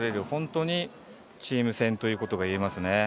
本当にチーム戦ということがいえますね。